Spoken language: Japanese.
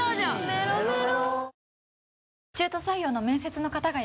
メロメロ